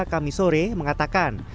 kami sore mengatakan